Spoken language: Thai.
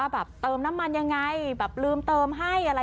แบบนี้นะคะ